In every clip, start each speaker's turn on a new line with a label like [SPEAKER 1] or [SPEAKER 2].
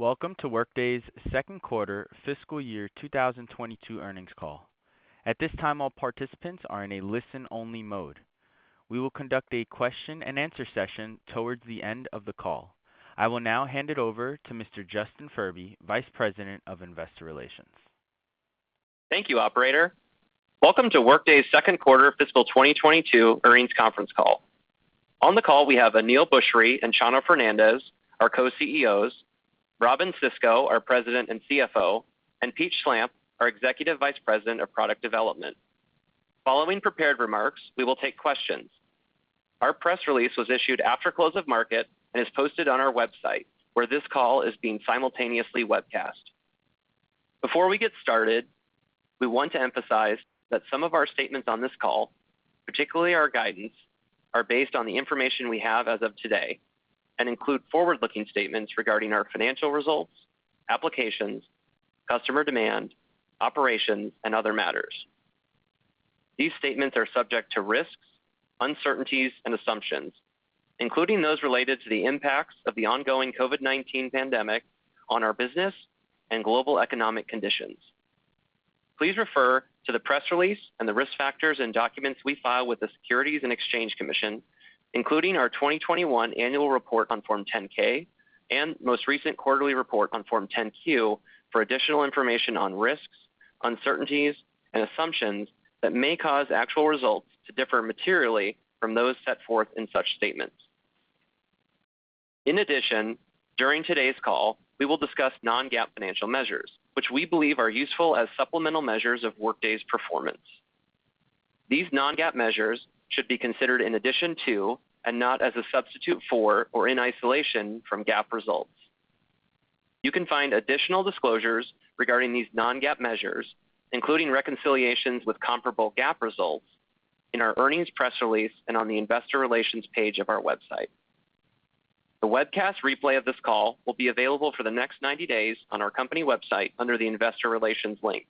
[SPEAKER 1] Welcome to Workday's second quarter fiscal year 2022 earnings call. At this time, all participants are in a listen-only mode. We will conduct a question and answer session towards the end of the call. I will now hand it over to Mr. Justin Furby, Vice President of Investor Relations.
[SPEAKER 2] Thank you, operator. Welcome to Workday's second quarter fiscal 2022 earnings conference call. On the call, we have Aneel Bhusri and Chano Fernandez, our co-CEOs, Robynne Sisco, our President and CFO, and Pete Schlampp, our Executive Vice President of Product Development. Following prepared remarks, we will take questions. Our press release was issued after close of market and is posted on our website, where this call is being simultaneously webcast. Before we get started, we want to emphasize that some of our statements on this call, particularly our guidance, are based on the information we have as of today and include forward-looking statements regarding our financial results, applications, customer demand, operations, and other matters. These statements are subject to risks, uncertainties, and assumptions, including those related to the impacts of the ongoing COVID-19 pandemic on our business and global economic conditions. Please refer to the press release and the risk factors and documents we file with the Securities and Exchange Commission, including our 2021 annual report on Form 10-K and most recent quarterly report on Form 10-Q for additional information on risks, uncertainties, and assumptions that may cause actual results to differ materially from those set forth in such statements. In addition, during today's call, we will discuss non-GAAP financial measures, which we believe are useful as supplemental measures of Workday's performance. These non-GAAP measures should be considered in addition to, and not as a substitute for or in isolation from, GAAP results. You can find additional disclosures regarding these non-GAAP measures, including reconciliations with comparable GAAP results, in our earnings press release and on the investor relations page of our website. The webcast replay of this call will be available for the next 90 days on our company website under the investor relations link.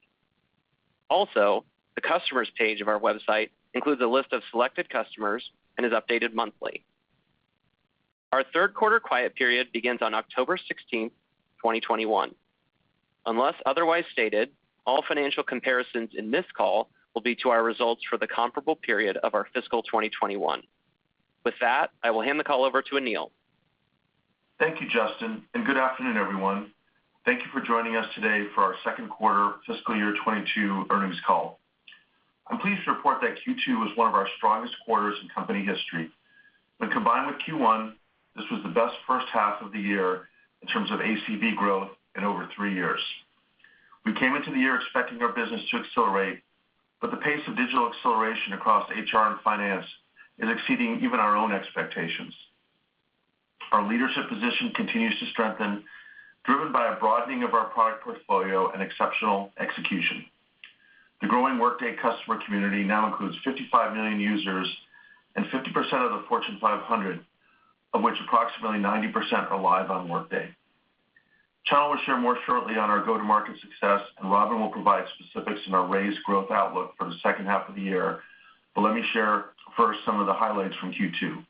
[SPEAKER 2] Also, the customers page of our website includes a list of selected customers and is updated monthly. Our third quarter quiet period begins on October 16th, 2021. Unless otherwise stated, all financial comparisons in this call will be to our results for the comparable period of our fiscal 2021. With that, I will hand the call over to Aneel.
[SPEAKER 3] Thank you, Justin. Good afternoon, everyone. Thank you for joining us today for our second quarter fiscal year 2022 earnings call. I'm pleased to report that Q2 was one of our strongest quarters in company history. When combined with Q1, this was the best first half of the year in terms of ACV growth in over three years. We came into the year expecting our business to accelerate. The pace of digital acceleration across HR and finance is exceeding even our own expectations. Our leadership position continues to strengthen, driven by a broadening of our product portfolio and exceptional execution. The growing Workday customer community now includes 55 million users and 50% of the Fortune 500, of which approximately 90% are live on Workday. Chano will share more shortly on our go-to-market success. Robynne will provide specifics on our raised growth outlook for the second half of the year. Let me share first some of the highlights from Q2.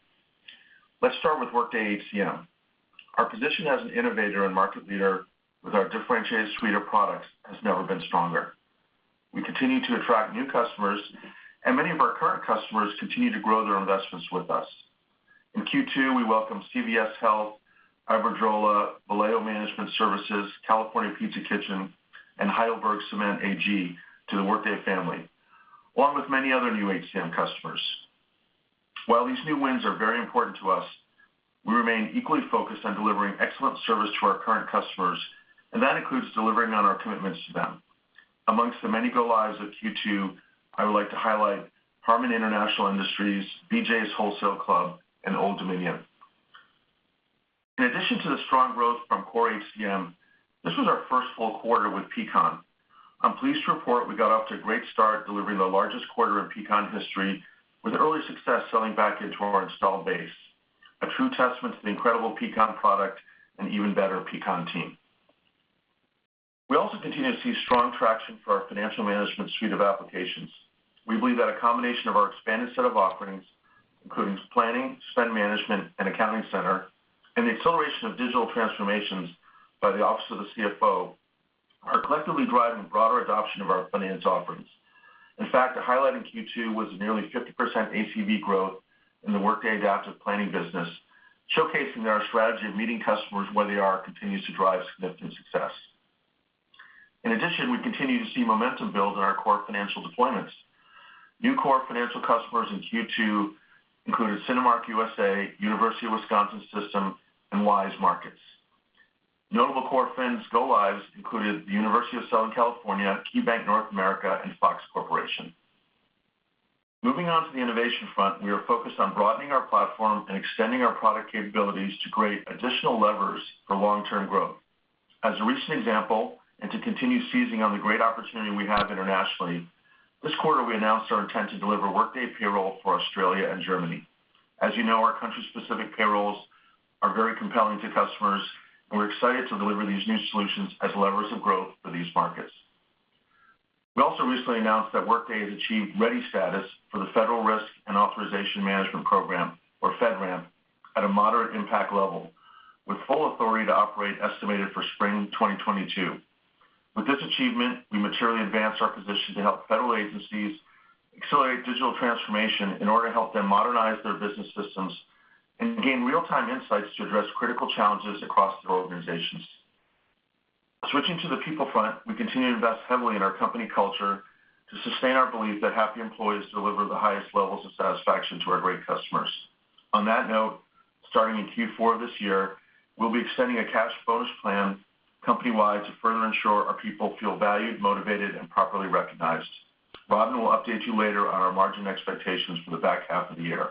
[SPEAKER 3] Let's start with Workday HCM. Our position as an innovator and market leader with our differentiated suite of products has never been stronger. We continue to attract new customers. Many of our current customers continue to grow their investments with us. In Q2, we welcomed CVS Health, Iberdrola, Valeo Management Services, California Pizza Kitchen, and HeidelbergCement AG to the Workday family, along with many other new HCM customers. While these new wins are very important to us, we remain equally focused on delivering excellent service to our current customers. That includes delivering on our commitments to them. Amongst the many go-lives of Q2, I would like to highlight Harman International Industries, BJ's Wholesale Club, and Old Dominion. In addition to the strong growth from core HCM, this was our first full quarter with Peakon. I'm pleased to report we got off to a great start, delivering the largest quarter in Peakon history with early success selling back into our installed base, a true testament to the incredible Peakon product and even better Peakon team. We also continue to see strong traction for our financial management suite of applications. We believe that a combination of our expanded set of offerings, including planning, spend management, and Accounting Center, and the acceleration of digital transformations by the office of the CFO are collectively driving broader adoption of our finance offerings. In fact, a highlight in Q2 was nearly 50% ACV growth in the Workday Adaptive Planning business, showcasing our strategy of meeting customers where they are continues to drive significant success. In addition, we continue to see momentum build in our core financial deployments. New core financial customers in Q2 included Cinemark USA, University of Wisconsin System, and Weis Markets. Notable core Fins go-lives included the University of Southern California, KeyBank North America, and Fox Corporation. Moving on to the innovation front, we are focused on broadening our platform and extending our product capabilities to create additional levers for long-term growth. As a recent example, and to continue seizing on the great opportunity we have internationally, this quarter, we announced our intent to deliver Workday Payroll for Australia and Germany. As you know, our country-specific payrolls are very compelling to customers, and we're excited to deliver these new solutions as levers of growth for these markets. We also recently announced that Workday has achieved ready status for the Federal Risk and Authorization Management Program, or FedRAMP, at a moderate impact level, with full authority to operate estimated for spring 2022. With this achievement, we materially advance our position to help federal agencies accelerate digital transformation in order to help them modernize their business systems and gain real-time insights to address critical challenges across their organizations. Switching to the people front, we continue to invest heavily in our company culture to sustain our belief that happy employees deliver the highest levels of satisfaction to our great customers. On that note, starting in Q4 of this year, we'll be extending a cash bonus plan company-wide to further ensure our people feel valued, motivated, and properly recognized. Robynne will update you later on our margin expectations for the back half of the year.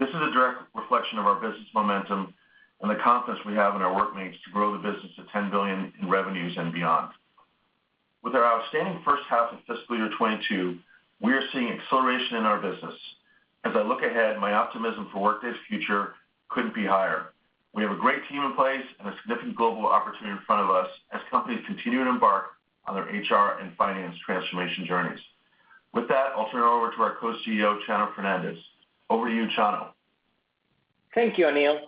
[SPEAKER 3] This is a direct reflection of our business momentum and the confidence we have in our Workmates to grow the business to $10 billion in revenues and beyond. With our outstanding first half of fiscal year 2022, we are seeing acceleration in our business. As I look ahead, my optimism for Workday's future couldn't be higher. We have a great team in place and a significant global opportunity in front of us as companies continue to embark on their HR and finance transformation journeys. With that, I'll turn it over to our Co-CEO, Chano Fernandez. Over to you, Chano.
[SPEAKER 4] Thank you, Aneel,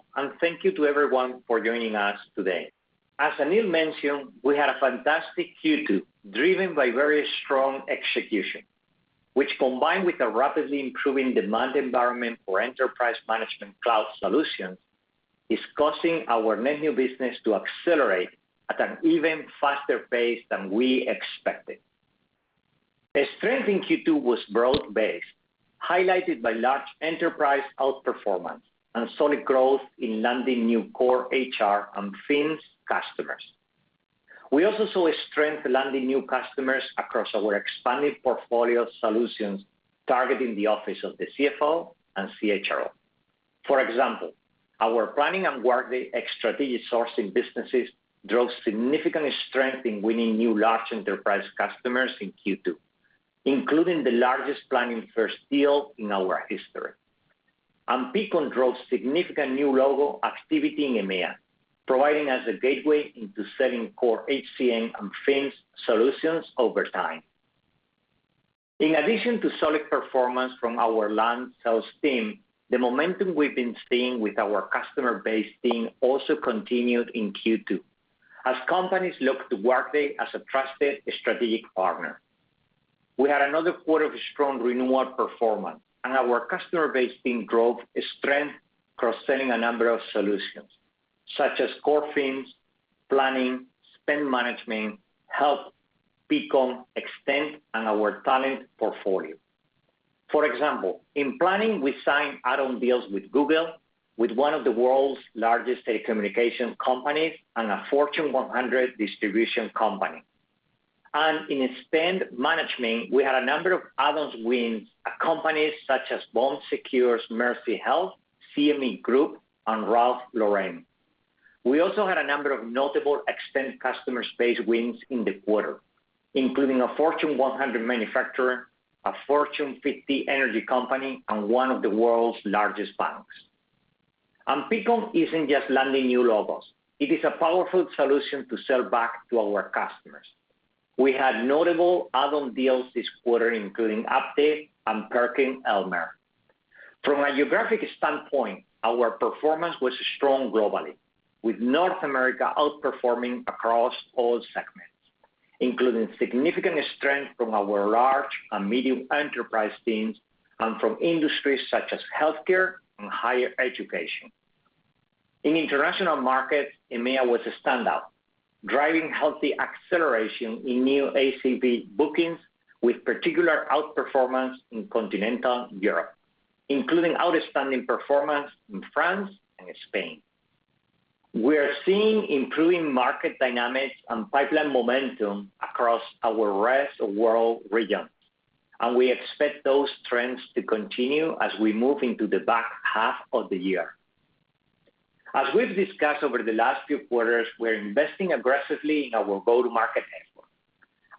[SPEAKER 4] thank you to everyone for joining us today. As Aneel mentioned, we had a fantastic Q2 driven by very strong execution, which combined with a rapidly improving demand environment for enterprise management cloud solutions, is causing our net new business to accelerate at an even faster pace than we expected. The strength in Q2 was broad-based, highlighted by large enterprise outperformance and solid growth in landing new core HR and Fins customers. We also saw a strength landing new customers across our expanded portfolio solutions targeting the office of the CFO and CHRO. For example, our planning and Workday Strategic Sourcing businesses drove significant strength in winning new large enterprise customers in Q2, including the largest planning first deal in our history. Peakon drove significant new logo activity in EMEA, providing us a gateway into selling core HCM and Fins solutions over time. In addition to solid performance from our land sales team, the momentum we've been seeing with our customer base team also continued in Q2, as companies look to Workday as a trusted strategic partner. We had another quarter of strong renewal performance, Our customer base team growth is strength cross-selling a number of solutions, such as core Fins, Planning, Spend Management, health, Peakon, Extend, and our talent portfolio. For example, in Planning, we signed add-on deals with Google, with 1 of the world's largest telecommunication companies, and a Fortune 100 distribution company. In Spend Management, we had a number of add-ons wins at companies such as Bon Secours Mercy Health, CME Group, and Ralph Lauren. We also had a number of notable Extended customer base wins in the quarter, including a Fortune 100 manufacturer, a Fortune 50 energy company, and one of the world's largest banks. Peakon isn't just landing new logos. It is a powerful solution to sell back to our customers. We had notable add-on deals this quarter, including Uptycs and PerkinElmer. From a geographic standpoint, our performance was strong globally, with North America outperforming across all segments, including significant strength from our large and medium enterprise teams and from industries such as healthcare and higher education. In international markets, EMEA was a standout, driving healthy acceleration in new ACV bookings, with particular outperformance in continental Europe, including outstanding performance in France and Spain. We're seeing improving market dynamics and pipeline momentum across our rest of world regions, and we expect those trends to continue as we move into the back half of the year. As we've discussed over the last few quarters, we're investing aggressively in our go-to-market network.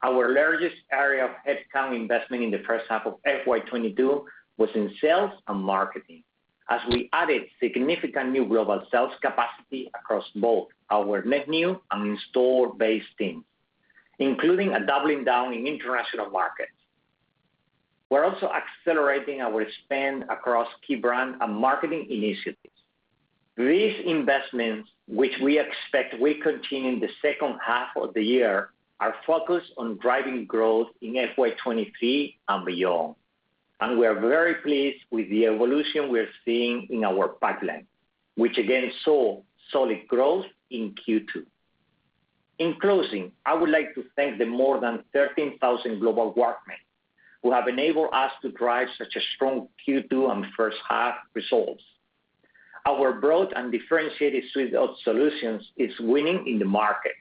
[SPEAKER 4] Our largest area of headcount investment in the first half of FY 2022 was in sales and marketing, as we added significant new global sales capacity across both our net new and install-based teams, including a doubling down in international markets. We're also accelerating our spend across key brand and marketing initiatives. These investments, which we expect will continue in the second half of the year, are focused on driving growth in FY 2023 and beyond, and we are very pleased with the evolution we're seeing in our pipeline, which again saw solid growth in Q2. In closing, I would like to thank the more than 13,000 global Workmates who have enabled us to drive such a strong Q2 and first half results. Our broad and differentiated suite of solutions is winning in the market,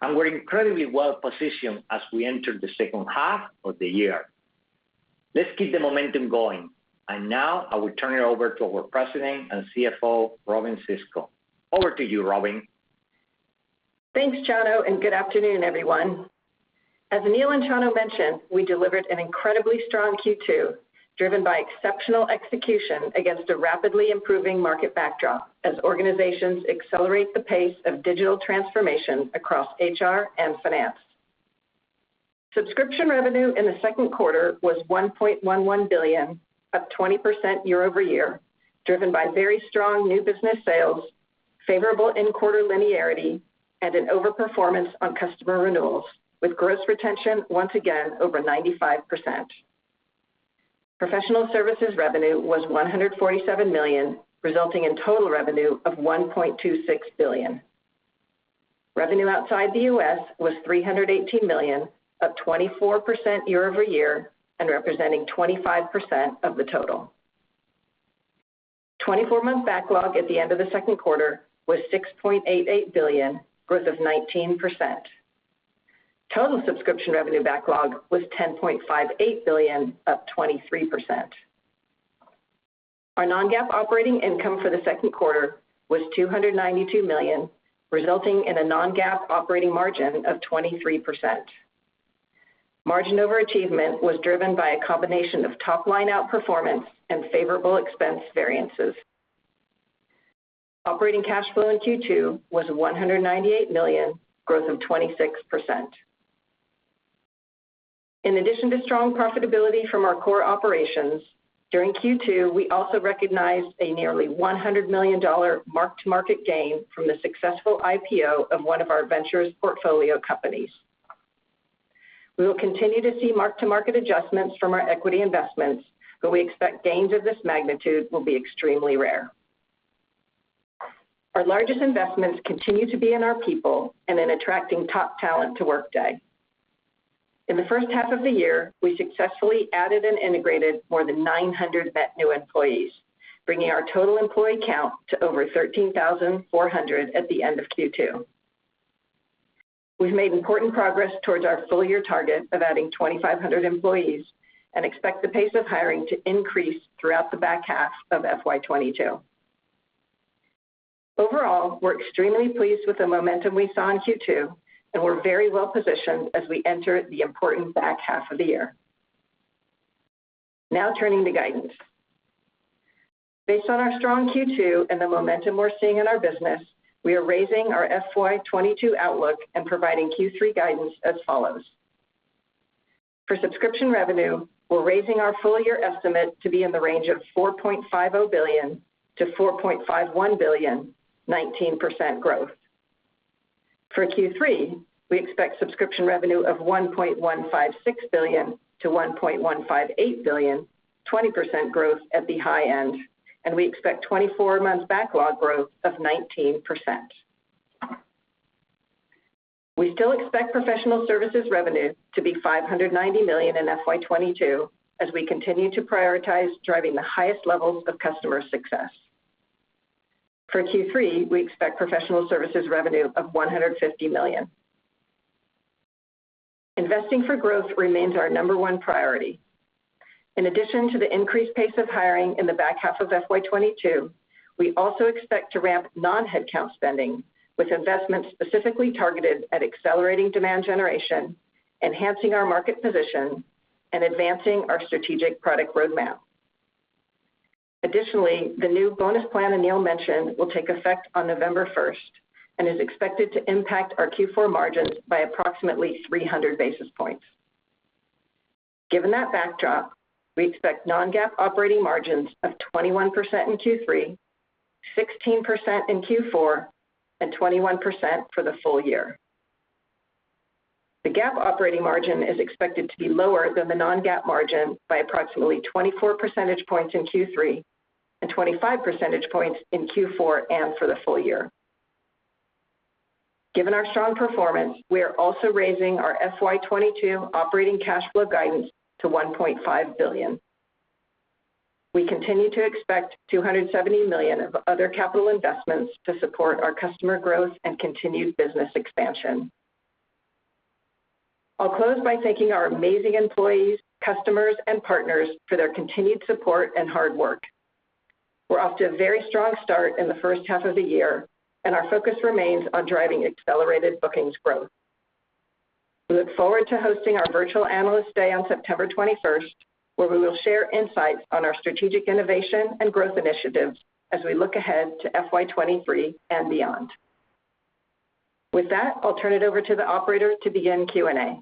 [SPEAKER 4] and we're incredibly well positioned as we enter the second half of the year. Let's keep the momentum going. Now, I will turn it over to our President and CFO, Robynne Sisco. Over to you, Robynne.
[SPEAKER 5] Thanks, Chano, and good afternoon, everyone. As Aneel and Chano mentioned, we delivered an incredibly strong Q2. Driven by exceptional execution against a rapidly improving market backdrop as organizations accelerate the pace of digital transformation across HR and finance. Subscription revenue in the second quarter was $1.11 billion, up 20% year-over-year, driven by very strong new business sales, favorable in-quarter linearity, and an over-performance on customer renewals, with gross retention once again over 95%. Professional services revenue was $147 million, resulting in total revenue of $1.26 billion. Revenue outside the U.S. was $318 million, up 24% year-over-year, and representing 25% of the total. 24-month backlog at the end of the second quarter was $6.88 billion, growth of 19%. Total subscription revenue backlog was $10.58 billion, up 23%. Our non-GAAP operating income for the second quarter was $292 million, resulting in a non-GAAP operating margin of 23%. Margin overachievement was driven by a combination of top-line outperformance and favorable expense variances. Operating cash flow in Q2 was $198 million, growth of 26%. In addition to strong profitability from our core operations, during Q2, we also recognized a nearly $100 million mark-to-market gain from the successful IPO of one of our ventures portfolio companies. We will continue to see mark-to-market adjustments from our equity investments, but we expect gains of this magnitude will be extremely rare. Our largest investments continue to be in our people and in attracting top talent to Workday. In the first half of the year, we successfully added and integrated more than 900 net new employees, bringing our total employee count to over 13,400 at the end of Q2. We've made important progress towards our full-year target of adding 2,500 employees and expect the pace of hiring to increase throughout the back half of FY 2022. Overall, we're extremely pleased with the momentum we saw in Q2, and we're very well positioned as we enter the important back half of the year. Now turning to guidance. Based on our strong Q2 and the momentum we're seeing in our business, we are raising our FY 2022 outlook and providing Q3 guidance as follows. For subscription revenue, we're raising our full-year estimate to be in the range of $4.50 billion-$4.51 billion, 19% growth. For Q3, we expect subscription revenue of $1.156 billion-$1.158 billion, 20% growth at the high end, and we expect 24 months backlog growth of 19%. We still expect professional services revenue to be $590 million in FY 2022 as we continue to prioritize driving the highest levels of customer success. For Q3, we expect professional services revenue of $150 million. Investing for growth remains our number one priority. In addition to the increased pace of hiring in the back half of FY 2022, we also expect to ramp non-headcount spending with investments specifically targeted at accelerating demand generation, enhancing our market position, and advancing our strategic product roadmap. Additionally, the new bonus plan Aneel mentioned will take effect on November 1st and is expected to impact our Q4 margins by approximately 300 basis points. Given that backdrop, we expect non-GAAP operating margins of 21% in Q3, 16% in Q4, and 21% for the full year. The GAAP operating margin is expected to be lower than the non-GAAP margin by approximately 24 percentage points in Q3 and 25 percentage points in Q4 and for the full year. Given our strong performance, we are also raising our FY 2022 operating cash flow guidance to $1.5 billion. We continue to expect $270 million of other capital investments to support our customer growth and continued business expansion. I'll close by thanking our amazing employees, customers, and partners for their continued support and hard work. We're off to a very strong start in the first half of the year, and our focus remains on driving accelerated bookings growth. We look forward to hosting our virtual Analyst Day on September 21st, where we will share insights on our strategic innovation and growth initiatives as we look ahead to FY 2023 and beyond. With that, I'll turn it over to the operator to begin Q&A.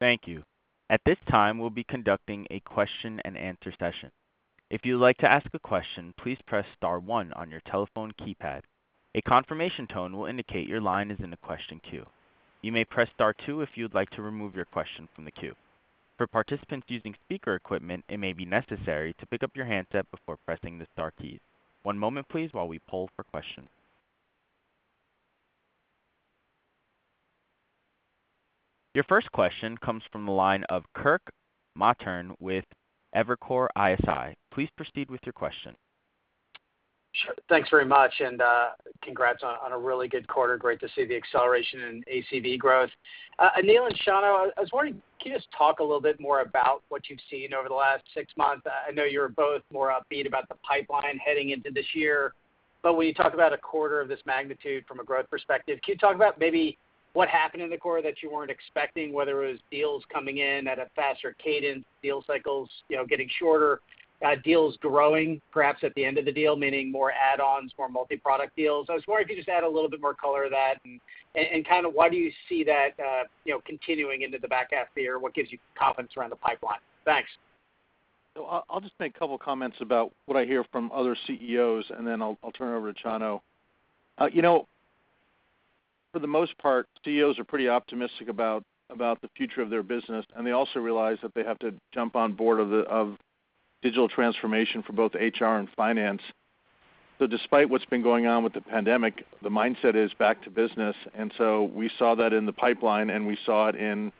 [SPEAKER 1] Thank you. At this time, we'll be conducting a question and answer session. If you'd like to ask a question, please press star one on your telephone keypad. A confirmation tone will indicate your line is in the question queue. You may press star two if you would like to remove your question from the queue. For participants using speaker equipment, it may be necessary to pick up your handset before pressing the star keys. One moment, please, while we poll for questions. Your first question comes from the line of Kirk Materne with Evercore ISI. Please proceed with your question.
[SPEAKER 6] Sure. Thanks very much, and congrats on a really good quarter. Great to see the acceleration in ACV growth. Aneel and Chano, I was wondering, can you just talk a little bit more about what you've seen over the last six months? I know you're both more upbeat about the pipeline heading into this year. When you talk about a quarter of this magnitude from a growth perspective, can you talk about maybe what happened in the quarter that you weren't expecting, whether it was deals coming in at a faster cadence, deal cycles getting shorter, deals growing perhaps at the end of the deal, meaning more add-ons, more multi-product deals? I was wondering if you could just add a little bit more color to that, and why do you see that continuing into the back half of the year? What gives you confidence around the pipeline? Thanks.
[SPEAKER 3] I'll just make a couple comments about what I hear from other CEOs, and then I'll turn it over to Chano. For the most part, CEOs are pretty optimistic about the future of their business, and they also realize that they have to jump on board of digital transformation for both HR and finance. Despite what's been going on with the pandemic, the mindset is back to business. We saw that in the pipeline, and we saw it in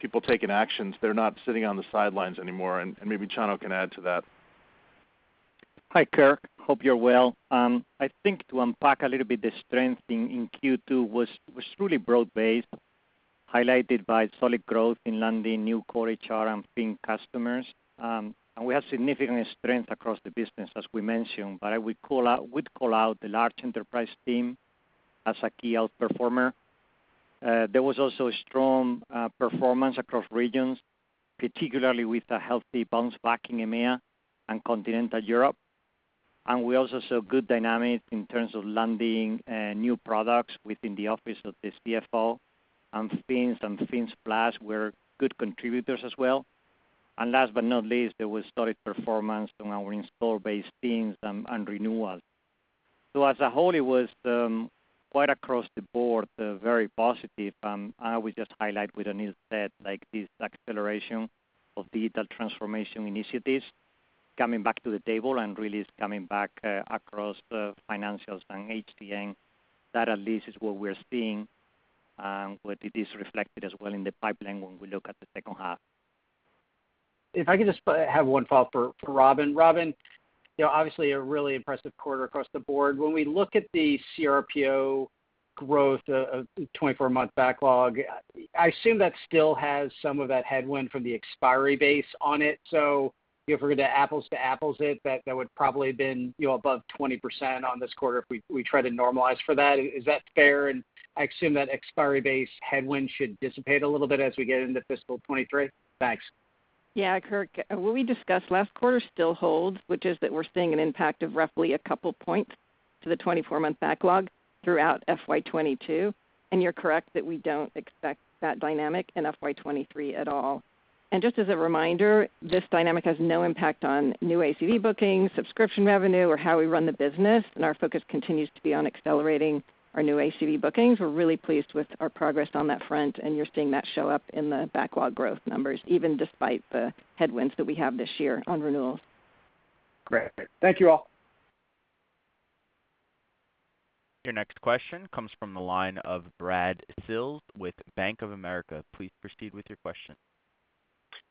[SPEAKER 3] people taking actions. They're not sitting on the sidelines anymore, and maybe Chano can add to that.
[SPEAKER 4] Hi, Kirk. Hope you're well. I think to unpack a little bit, the strength in Q2 was truly broad-based, highlighted by solid growth in landing new core HR and Fin customers. We have significant strength across the business, as we mentioned, but I would call out the large enterprise team as a key outperformer. There was also a strong performance across regions, particularly with a healthy bounce back in EMEA and Continental Europe. We also saw good dynamics in terms of landing new products within the office of the CFO, and Fins and Fins Plus were good contributors as well. Last but not least, there was solid performance in our install-based Fins and renewals. As a whole, it was quite across the board very positive. I would just highlight what Aneel Bhusri said, like this acceleration of digital transformation initiatives coming back to the table and really is coming back across financials and HCM. It is reflected as well in the pipeline when we look at the second half.
[SPEAKER 6] If I could just have one follow for Robynne. Robynne, obviously a really impressive quarter across the board. When we look at the CRPO growth of 24-month backlog, I assume that still has some of that headwind from the expiry base on it. If we're going to apples-to-apples it, that would probably have been above 20% on this quarter if we try to normalize for that. Is that fair? I assume that expiry base headwind should dissipate a little bit as we get into fiscal 2023. Thanks.
[SPEAKER 5] Yeah, Kirk, what we discussed last quarter still holds, which is that we're seeing an impact of roughly a couple points to the 24-month backlog throughout FY 2022. You're correct that we don't expect that dynamic in FY 2023 at all. Just as a reminder, this dynamic has no impact on new ACV bookings, subscription revenue, or how we run the business, and our focus continues to be on accelerating our new ACV bookings. We're really pleased with our progress on that front, and you're seeing that show up in the backlog growth numbers, even despite the headwinds that we have this year on renewals.
[SPEAKER 6] Great. Thank you all.
[SPEAKER 1] Your next question comes from the line of Brad Sills with Bank of America. Please proceed with your question.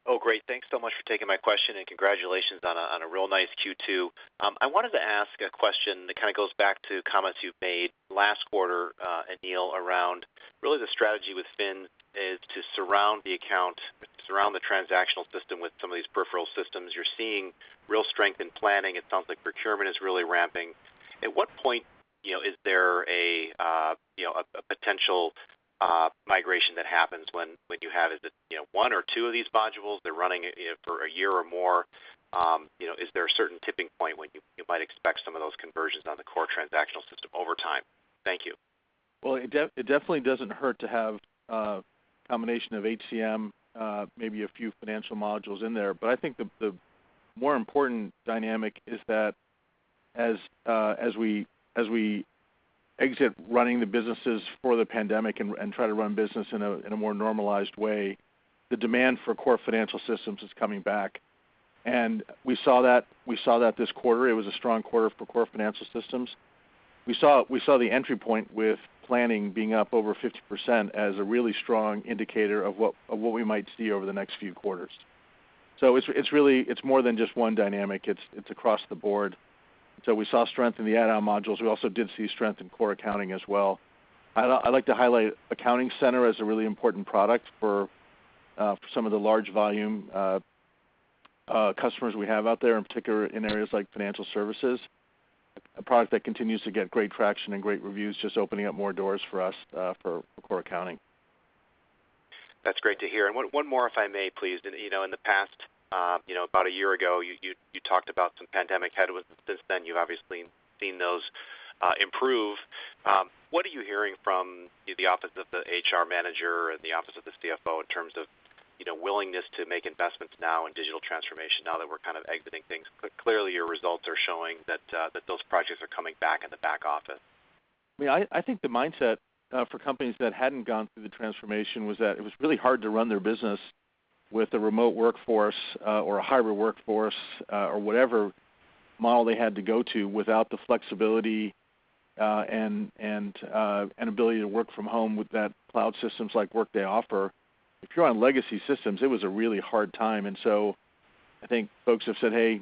[SPEAKER 7] Oh, great. Thanks so much for taking my question, and congratulations on a real nice Q2. I wanted to ask a question that kind of goes back to comments you've made last quarter, Aneel, around really the strategy with Fin is to surround the account, surround the transactional system with some of these peripheral systems. You're seeing real strength in planning. It sounds like procurement is really ramping. At what point is there a potential migration that happens when you have one or two of these modules, they're running it for a year or more? Is there a certain tipping point when you might expect some of those conversions on the core transactional system over time? Thank you.
[SPEAKER 3] Well, it definitely doesn't hurt to have a combination of HCM, maybe a few financial modules in there. I think the more important dynamic is that as we exit running the businesses for the pandemic and try to run business in a more normalized way, the demand for core financial systems is coming back. We saw that this quarter. It was a strong quarter for core financial systems. We saw the entry point with planning being up over 50% as a really strong indicator of what we might see over the next few quarters. It's more than just one dynamic. It's across the board. We saw strength in the add-on modules. We also did see strength in core accounting as well. I'd like to highlight Accounting Center as a really important product for some of the large volume customers we have out there, in particular in areas like financial services. A product that continues to get great traction and great reviews, just opening up more doors for us for core accounting.
[SPEAKER 7] That's great to hear. One more, if I may, please. In the past, about a year ago, you talked about some pandemic headwinds. Since then, you've obviously seen those improve. What are you hearing from the office of the HR manager and the office of the CFO in terms of willingness to make investments now in digital transformation now that we're kind of exiting things? Clearly, your results are showing that those projects are coming back in the back office.
[SPEAKER 3] I think the mindset for companies that hadn't gone through the transformation was that it was really hard to run their business with a remote workforce or a hybrid workforce or whatever model they had to go to without the flexibility and ability to work from home with that cloud systems like Workday offer. If you're on legacy systems, it was a really hard time. So I think folks have said, "Hey,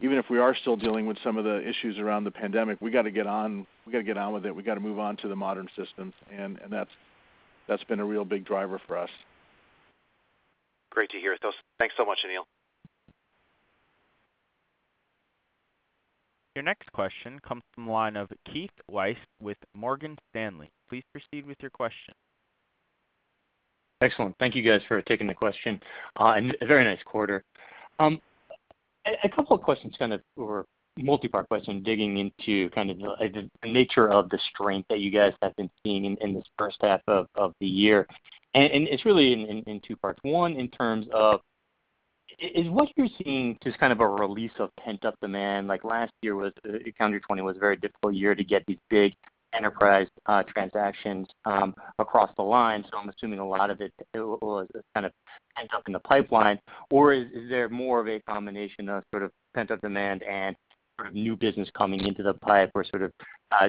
[SPEAKER 3] even if we are still dealing with some of the issues around the pandemic, we got to get on with it. We got to move on to the modern systems." That's been a real big driver for us.
[SPEAKER 7] Great to hear it, though. Thanks so much, Aneel.
[SPEAKER 1] Your next question comes from the line of Keith Weiss with Morgan Stanley. Please proceed with your question.
[SPEAKER 8] Excellent. Thank you guys for taking the question, and very nice quarter. A couple of questions or a multi-part question, digging into the nature of the strength that you guys have been seeing in this first half of the year. It's really in two parts. One, in terms of, is what you're seeing just kind of a release of pent-up demand? Last year, 2020, was a very difficult year to get these big enterprise transactions across the line, so I'm assuming a lot of it was kind of pent up in the pipeline. Is there more of a combination of sort of pent-up demand and new business coming into the pipe, or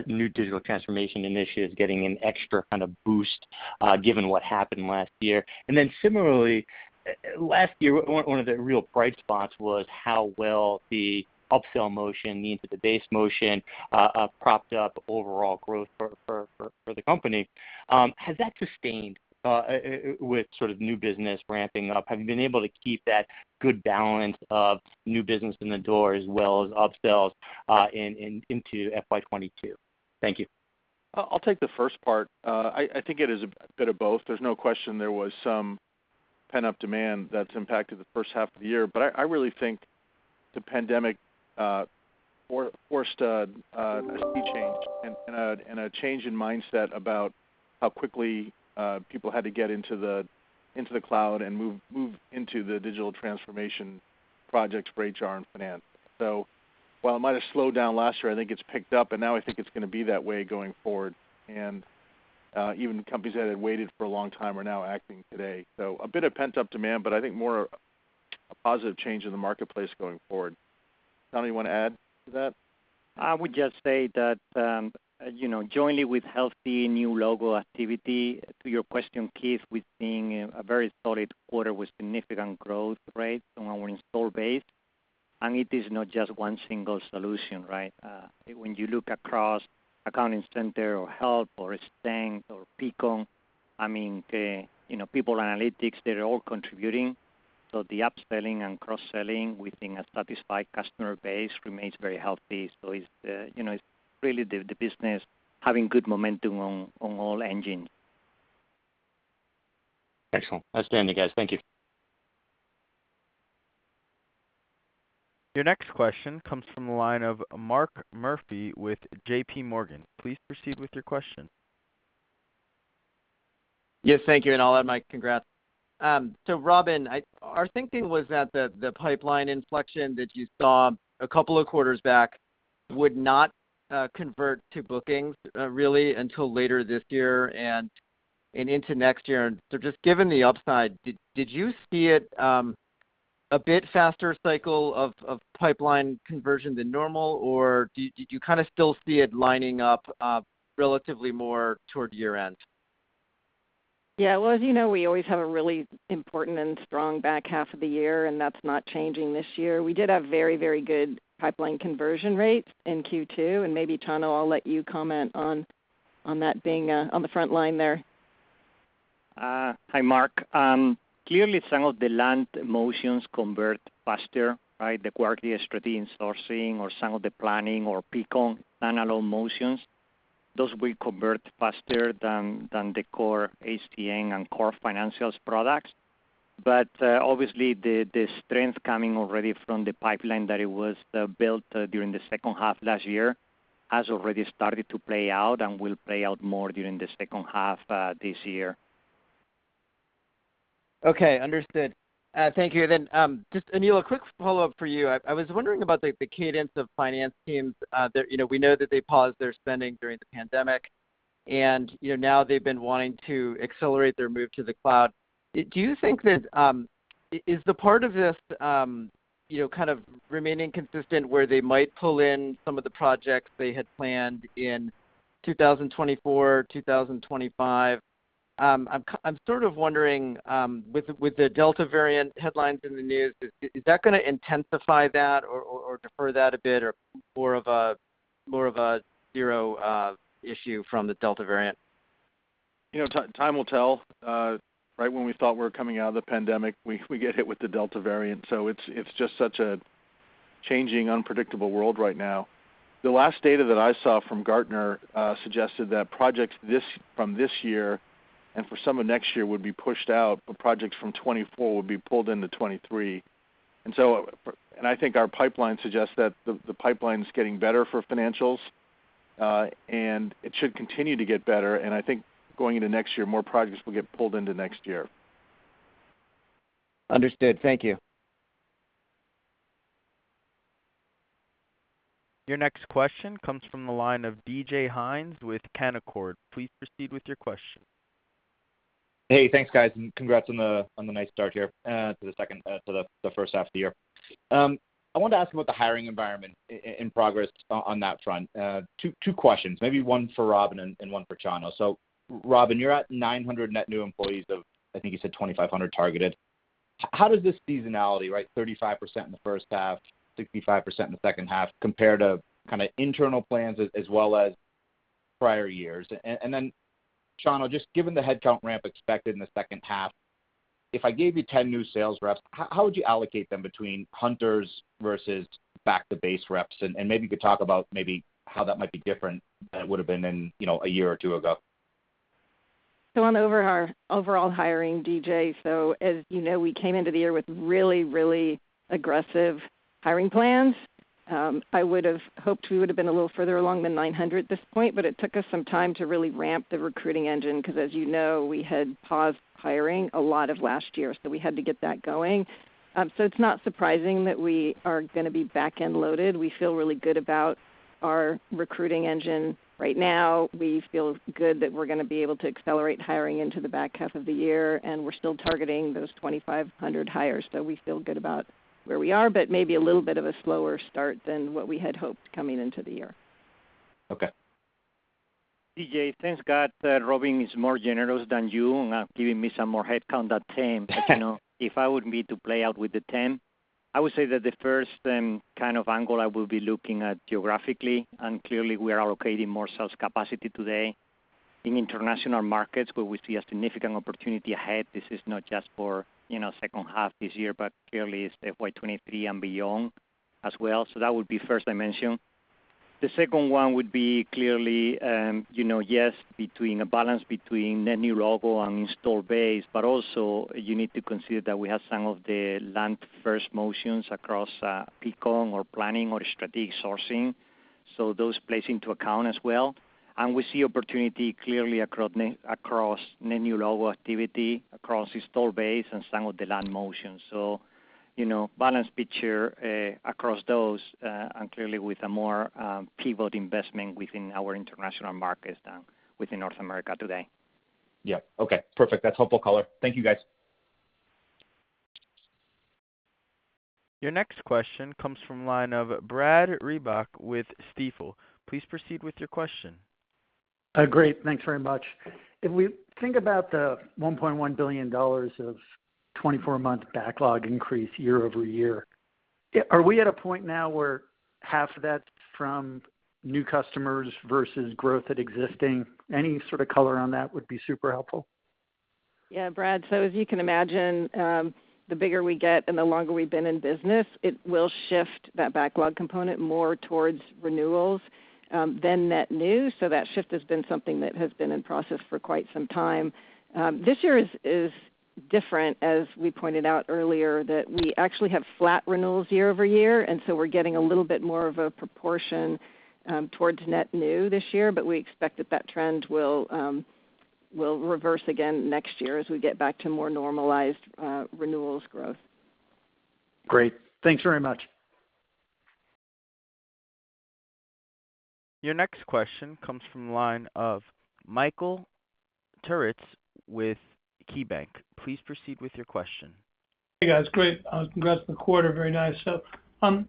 [SPEAKER 8] new digital transformation initiatives getting an extra boost, given what happened last year? Similarly, last year, one of the real bright spots was how well the upsell motion, meaning the base motion, propped up overall growth for the company. Has that sustained with new business ramping up? Have you been able to keep that good balance of new business in the door as well as upsells into FY 2022? Thank you.
[SPEAKER 3] I'll take the first part. I think it is a bit of both. There's no question there was some pent-up demand that's impacted the first half of the year, but I really think the pandemic forced a speed change and a change in mindset about how quickly people had to get into the cloud and move into the digital transformation projects for HR and finance. While it might've slowed down last year, I think it's picked up, and now I think it's going to be that way going forward. Even companies that had waited for a long time are now acting today. A bit of pent-up demand, but I think more a positive change in the marketplace going forward. Chano, you want to add to that?
[SPEAKER 4] I would just say that jointly with healthy new logo activity, to your question, Keith, we're seeing a very solid quarter with significant growth rates on our installed base, and it is not just one single solution, right? When you look across Accounting Center or Help or Extend or Peakon, people analytics, they're all contributing. The upselling and cross-selling within a satisfied customer base remains very healthy. It's really the business having good momentum on all engines.
[SPEAKER 8] Excellent. Nice to hear it, guys. Thank you.
[SPEAKER 1] Your next question comes from the line of Mark Murphy with JPMorgan. Please proceed with your question.
[SPEAKER 9] Yes, thank you. I'll add my congrats. Robynne, our thinking was that the pipeline inflection that you saw a couple of quarters back would not convert to bookings really until later this year and into next year. Just given the upside, did you see it a bit faster cycle of pipeline conversion than normal, or do you kind of still see it lining up relatively more toward year-end?
[SPEAKER 5] Yeah. Well, as you know, we always have a really important and strong back half of the year, and that's not changing this year. We did have very, very good pipeline conversion rates in Q2, and maybe Chano, I'll let you comment on that, being on the front line there.
[SPEAKER 4] Hi, Mark. Clearly, some of the land motions convert faster, right? The Workday Strategic Sourcing or some of the Planning or Peakon standalone motions, those will convert faster than the core HCM and core Financials products. Obviously, the strength coming already from the pipeline that it was built during the second half last year has already started to play out and will play out more during the second half this year.
[SPEAKER 9] Okay, understood. Thank you. Just Aneel, a quick follow-up for you. I was wondering about the cadence of finance teams. We know that they paused their spending during the pandemic, and now they've been wanting to accelerate their move to the cloud. Do you think that is the part of this kind of remaining consistent where they might pull in some of the projects they had planned in 2024, 2025? I'm sort of wondering, with the Delta variant headlines in the news, is that going to intensify that or defer that a bit, or more of a zero issue from the Delta variant?
[SPEAKER 3] Time will tell. Right when we thought we were coming out of the pandemic, we get hit with the Delta variant. It's just such a changing, unpredictable world right now. The last data that I saw from Gartner suggested that projects from this year and for some of next year would be pushed out, but projects from 2024 would be pulled into 2023. I think our pipeline suggests that the pipeline's getting better for Financials, and it should continue to get better. I think going into next year, more projects will get pulled into next year.
[SPEAKER 9] Understood. Thank you.
[SPEAKER 1] Your next question comes from the line of DJ Hynes with Canaccord. Please proceed with your question.
[SPEAKER 10] Congrats on the nice start here to the first half of the year. I wanted to ask about the hiring environment and progress on that front. Two questions, maybe one for Robynne and one for Chano. Robynne, you're at 900 net new employees of, I think you said 2,500 targeted. How does this seasonality, right, 35% in the first half, 65% in the second half, compare to kind of internal plans as well as prior years? Chano, just given the headcount ramp expected in the second half, if I gave you 10 new sales reps, how would you allocate them between hunters versus back to base reps? Maybe you could talk about how that might be different than it would've been a year or two ago.
[SPEAKER 5] On overall hiring, DJ, so as you know, we came into the year with really, really aggressive hiring plans. I would've hoped we would've been a little further along than 900 at this point, but it took us some time to really ramp the recruiting engine, because as you know, we had paused hiring a lot of last year, so we had to get that going. It's not surprising that we are going to be back-end loaded. We feel really good about our recruiting engine right now. We feel good that we're going to be able to accelerate hiring into the back half of the year, and we're still targeting those 2,500 hires. We feel good about where we are, but maybe a little bit of a slower start than what we had hoped coming into the year.
[SPEAKER 10] Okay.
[SPEAKER 4] DJ, thanks God that Robynne is more generous than you on giving me some more headcount, that 10. If I would be to play out with the 10, I would say that the first kind of angle I will be looking at geographically, and clearly we are allocating more sales capacity today in international markets where we see a significant opportunity ahead. This is not just for second half this year, but clearly it's FY 2023 and beyond as well. That would be first dimension. The second one would be clearly, yes, between a balance between net new logo and installed base, but also you need to consider that we have some of the land first motions across Peakon or Planning or Strategic Sourcing. Those plays into account as well. We see opportunity clearly across net new logo activity, across the install base and some of the land motion. Balanced picture, across those, and clearly with a more pivot investment within our international markets than within North America today.
[SPEAKER 10] Okay, perfect. That's helpful color. Thank you, guys.
[SPEAKER 1] Your next question comes from the line of Brad Reback with Stifel. Please proceed with your question.
[SPEAKER 11] Great. Thanks very much. If we think about the $1.1 billion of 24-month backlog increase year-over-year, are we at a point now where half of that's from new customers versus growth at existing? Any sort of color on that would be super helpful.
[SPEAKER 5] Yeah, Brad. As you can imagine, the bigger we get and the longer we've been in business, it will shift that backlog component more towards renewals than net new. That shift has been something that has been in process for quite some time. This year is different, as we pointed out earlier, that we actually have flat renewals year-over-year, we're getting a little bit more of a proportion towards net new this year. We expect that trend will reverse again next year as we get back to more normalized renewals growth.
[SPEAKER 11] Great. Thanks very much.
[SPEAKER 1] Your next question comes from the line of Michael Turits with KeyBanc. Please proceed with your question.
[SPEAKER 12] Hey, guys. Great. Congrats on the quarter, very nice. Robynne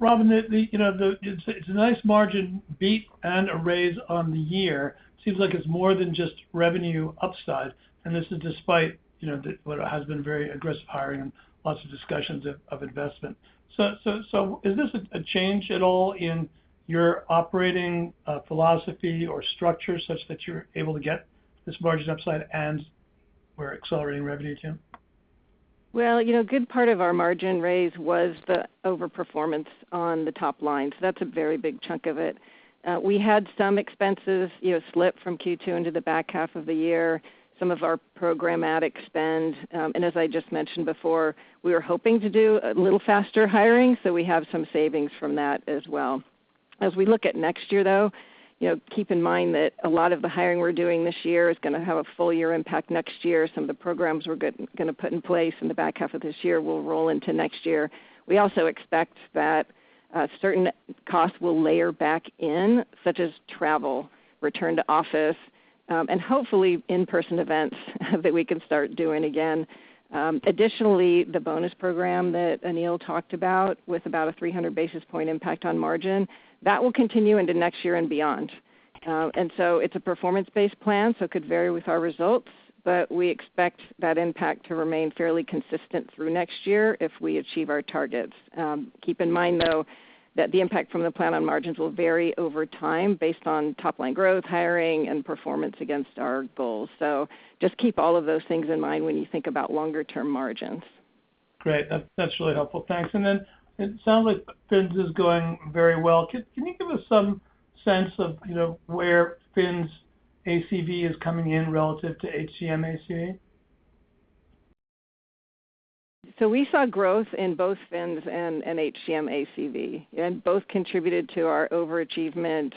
[SPEAKER 12] Sisco, it's a nice margin beat and a raise on the year. Seems like it's more than just revenue upside, and this is despite what has been very aggressive hiring and lots of discussions of investment. Is this a change at all in your operating philosophy or structure such that you're able to get this margin upside and where accelerating revenue to?
[SPEAKER 5] Good part of our margin raise was the over-performance on the top line. That's a very big chunk of it. We had some expenses slip from Q2 into the back half of the year, some of our programmatic spend. As I just mentioned before, we were hoping to do a little faster hiring, so we have some savings from that as well. As we look at next year, though, keep in mind that a lot of the hiring we're doing this year is going to have a full year impact next year. Some of the programs we're going to put in place in the back half of this year will roll into next year. We also expect that certain costs will layer back in, such as travel, return to office, and hopefully in-person events that we can start doing again. Additionally, the bonus program that Aneel talked about with about a 300 basis point impact on margin, that will continue into next year and beyond. It's a performance-based plan, so it could vary with our results, but we expect that impact to remain fairly consistent through next year if we achieve our targets. Keep in mind, though, that the impact from the plan on margins will vary over time based on top line growth, hiring, and performance against our goals. Just keep all of those things in mind when you think about longer term margins.
[SPEAKER 12] Great. That's really helpful. Thanks. It sounds like Fins is going very well. Can you give us some sense of where Fins ACV is coming in relative to HCM ACV?
[SPEAKER 5] We saw growth in both Fins and HCM ACV, and both contributed to our overachievement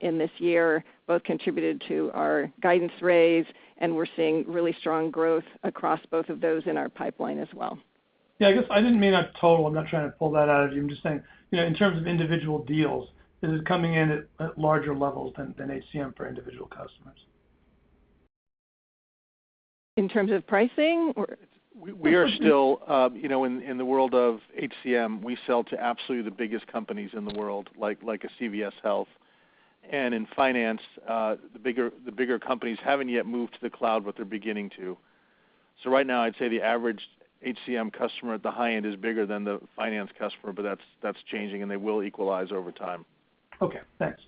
[SPEAKER 5] in this year. Both contributed to our guidance raise, and we're seeing really strong growth across both of those in our pipeline as well.
[SPEAKER 12] I guess I didn't mean a total. I'm not trying to pull that out of you. I'm just saying, in terms of individual deals, is it coming in at larger levels than HCM for individual customers?
[SPEAKER 5] In terms of pricing,
[SPEAKER 3] We are still, in the world of HCM, we sell to absolutely the biggest companies in the world, like a CVS Health. In finance, the bigger companies haven't yet moved to the cloud. Right now, I'd say the average HCM customer at the high end is bigger than the finance customer, but that's changing, and they will equalize over time.
[SPEAKER 12] Okay. Thanks.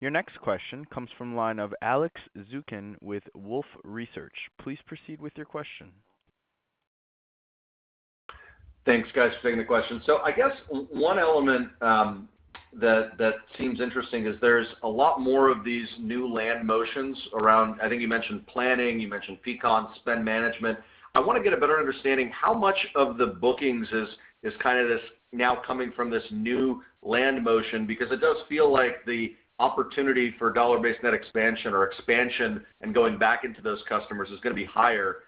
[SPEAKER 1] Your next question comes from the line of Alex Zukin with Wolfe Research. Please proceed with your question.
[SPEAKER 13] Thanks, guys, for taking the question. I guess one element that seems interesting is there's a lot more of these new land motions around, I think you mentioned planning, you mentioned Peakon, spend management. I want to get a better understanding how much of the bookings is kind of this now coming from this new land motion? Because it does feel like the opportunity for dollar-based net expansion or expansion and going back into those customers is going to be higher.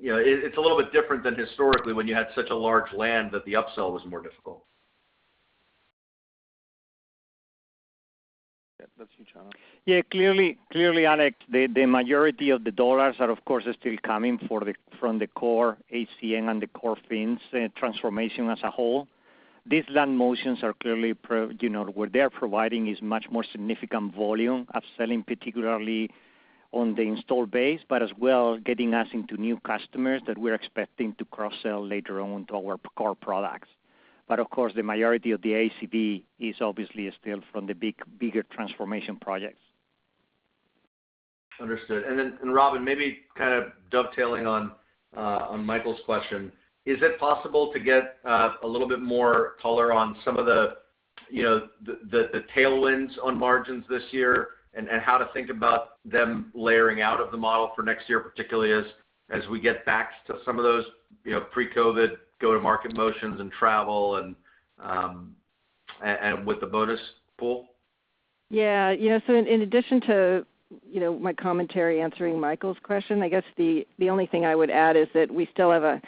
[SPEAKER 13] It's a little bit different than historically when you had such a large land that the upsell was more difficult.
[SPEAKER 3] Yeah. That's you, Chano.
[SPEAKER 4] Clearly, Alex, the majority of the dollars are, of course, still coming from the core HCM and the core Fins transformation as a whole. These land motions are clearly, what they are providing is much more significant volume upselling, particularly on the install base, but as well, getting us into new customers that we're expecting to cross-sell later on to our core products. Of course, the majority of the ACV is obviously still from the bigger transformation projects.
[SPEAKER 13] Understood. Robynne, maybe kind of dovetailing on Michael's question, is it possible to get a little bit more color on some of the tailwinds on margins this year and how to think about them layering out of the model for next year, particularly as we get back to some of those pre-COVID go-to-market motions and travel, and with the bonus pool?
[SPEAKER 5] In addition to my commentary answering Michael's question, I guess the only thing I would add is that we still have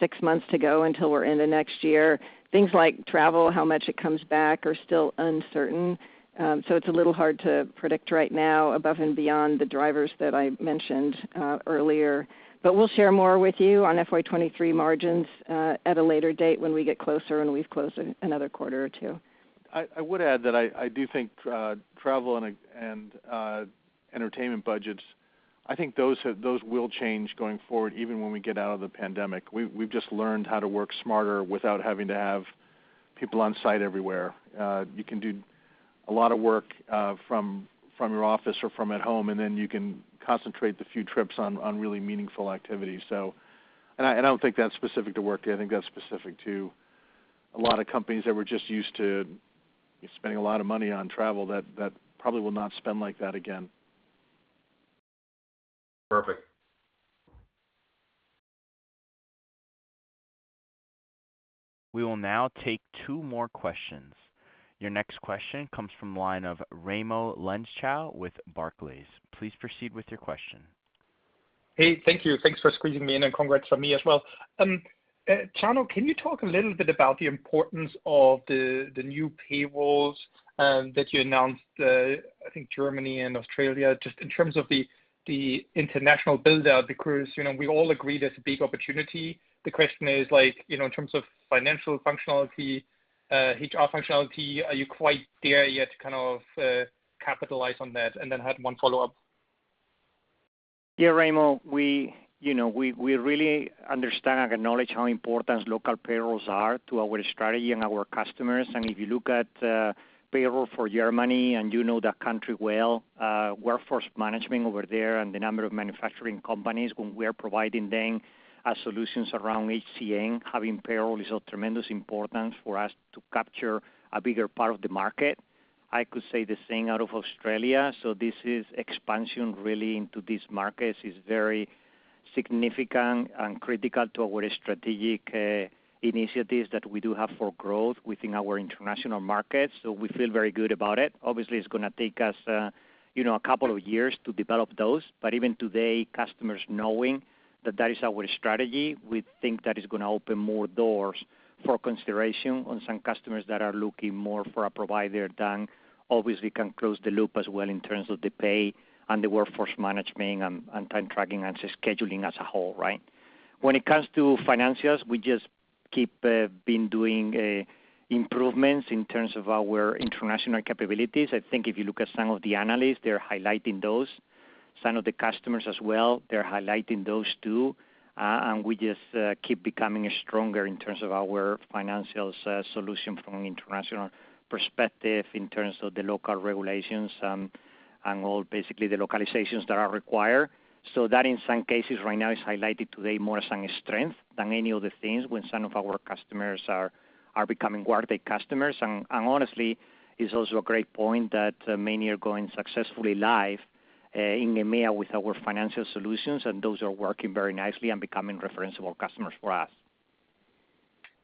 [SPEAKER 5] six months to go until we're in the next year. Things like travel, how much it comes back, are still uncertain. It's a little hard to predict right now above and beyond the drivers that I mentioned earlier. We'll share more with you on FY 2023 margins at a later date when we get closer and we've closed another quarter or two.
[SPEAKER 3] I would add that I do think travel and entertainment budgets, I think those will change going forward, even when we get out of the pandemic. We've just learned how to work smarter without having to have people on site everywhere. You can do a lot of work from your office or from at home, then you can concentrate the few trips on really meaningful activities. I don't think that's specific to Workday. I think that's specific to a lot of companies that were just used to spending a lot of money on travel that probably will not spend like that again.
[SPEAKER 13] Perfect.
[SPEAKER 1] We will now take two more questions. Your next question comes from the line of Raimo Lenschow with Barclays. Please proceed with your question.
[SPEAKER 14] Hey, thank you. Thanks for squeezing me in, and congrats from me as well. Chano, can you talk a little bit about the importance of the new payrolls that you announced, I think Germany and Australia, just in terms of the international build-out? We all agree there's a big opportunity. The question is, in terms of financial functionality, HR functionality, are you quite there yet to kind of capitalize on that? And then I had one follow-up.
[SPEAKER 4] Raimo, we really understand and acknowledge how important local payrolls are to our strategy and our customers. If you look at payroll for Germany, and you know that country well, workforce management over there and the number of manufacturing companies, when we are providing them solutions around HCM, having payroll is of tremendous importance for us to capture a bigger part of the market. I could say the same out of Australia. This is expansion really into these markets is very significant and critical to our strategic initiatives that we do have for growth within our international markets. We feel very good about it. Obviously, it's going to take us a couple of years to develop those. Even today, customers knowing that that is our strategy, we think that is going to open more doors for consideration on some customers that are looking more for a provider that obviously can close the loop as well in terms of the pay and the workforce management and time tracking and scheduling as a whole. When it comes to financials, we just keep doing improvements in terms of our international capabilities. I think if you look at some of the analysts, they're highlighting those. Some of the customers as well, they're highlighting those, too. We just keep becoming stronger in terms of our financials solution from an international perspective in terms of the local regulations, and all basically the localizations that are required. That, in some cases right now, is highlighted today more as a strength than any other things when some of our customers are becoming Workday customers. Honestly, it's also a great point that many are going successfully live in EMEA with our financial solutions, and those are working very nicely and becoming referenceable customers for us.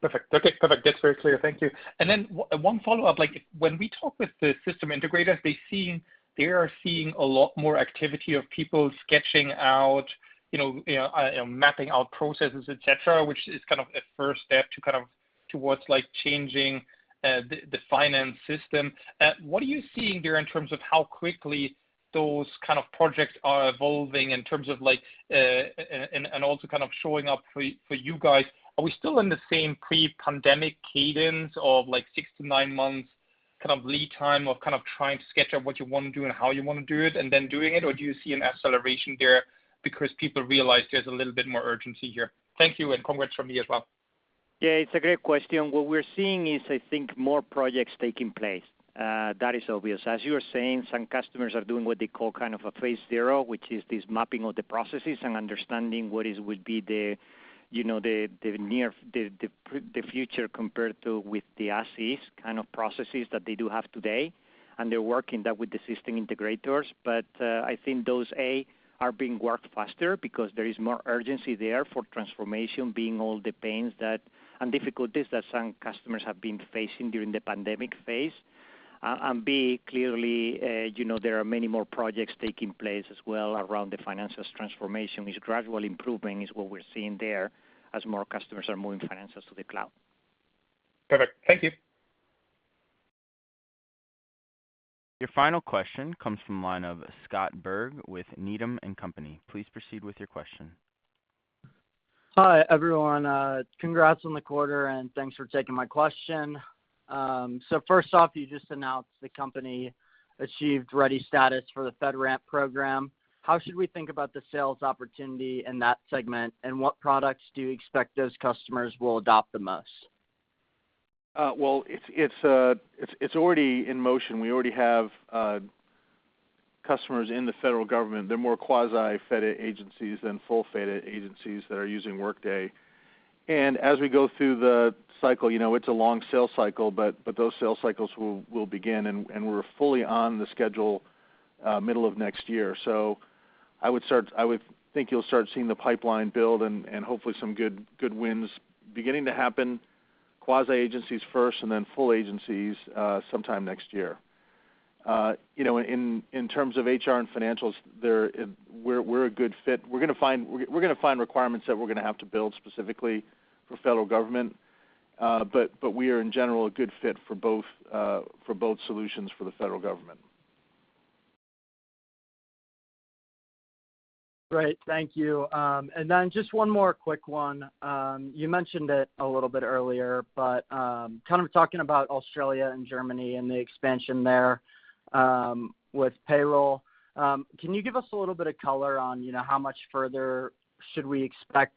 [SPEAKER 14] Perfect. That's very clear. Thank you. Then one follow-up. When we talk with the system integrators, they are seeing a lot more activity of people sketching out, mapping out processes, etc, which is kind of a first step towards changing the finance system. What are you seeing there in terms of how quickly those kind of projects are evolving in terms of and also showing up for you guys. Are we still in the same pre-pandemic cadence of six to nine months lead time of trying to sketch out what you want to do and how you want to do it, and then doing it? Do you see an acceleration there because people realize there's a little bit more urgency here? Thank you. Congrats from me as well.
[SPEAKER 4] Yeah, it's a great question. What we're seeing is, I think, more projects taking place. That is obvious. As you were saying, some customers are doing what they call a phase zero, which is this mapping of the processes and understanding what would be the future compared to with the as-is kind of processes that they do have today. They're working that with the system integrators. I think those, A, are being worked faster because there is more urgency there for transformation, being all the pains that, and difficulties that some customers have been facing during the pandemic phase. B, clearly, there are many more projects taking place as well around the financials transformation, is gradually improving, is what we're seeing there as more customers are moving financials to the cloud.
[SPEAKER 14] Perfect. Thank you.
[SPEAKER 1] Your final question comes from the line of Scott Berg with Needham & Company. Please proceed with your question.
[SPEAKER 15] Hi, everyone. Congrats on the quarter, and thanks for taking my question. First off, you just announced the company achieved ready status for the FedRAMP program. How should we think about the sales opportunity in that segment, and what products do you expect those customers will adopt the most?
[SPEAKER 3] Well, it's already in motion. We already have customers in the federal government. They're more quasi-FedIT agencies than full FedIT agencies that are using Workday. As we go through the cycle, it's a long sales cycle, but those sales cycles will begin, and we're fully on the schedule middle of next year. I would think you'll start seeing the pipeline build and hopefully some good wins beginning to happen, quasi agencies first and then full agencies sometime next year. In terms of HR and financials, we're a good fit. We're going to find requirements that we're going to have to build specifically for federal government. We are, in general, a good fit for both solutions for the federal government.
[SPEAKER 15] Great. Thank you. Then just one more quick one. You mentioned it a little bit earlier, kind of talking about Australia and Germany and the expansion there with payroll. Can you give us a little bit of color on how much further should we expect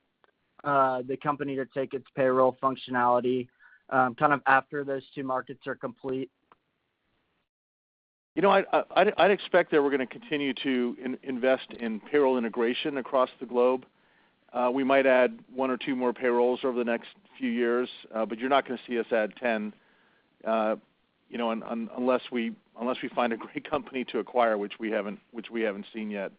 [SPEAKER 15] the company to take its payroll functionality after those two markets are complete?
[SPEAKER 3] I'd expect that we're going to continue to invest in payroll integration across the globe. We might add one or two more payrolls over the next few years. You're not going to see us add 10. Unless we find a great company to acquire, which we haven't seen yet.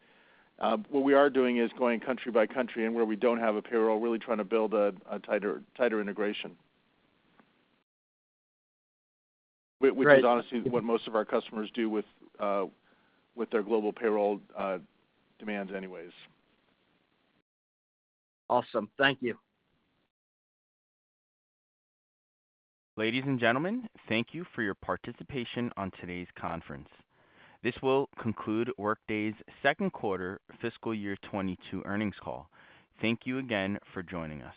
[SPEAKER 3] What we are doing is going country by country, and where we don't have a payroll, really trying to build a tighter integration.
[SPEAKER 15] Right.
[SPEAKER 3] Which is honestly what most of our customers do with their global payroll demands anyways.
[SPEAKER 15] Awesome. Thank you.
[SPEAKER 1] Ladies and gentlemen, thank you for your participation on today's conference. This will conclude Workday's second quarter fiscal year 2022 earnings call. Thank you again for joining us.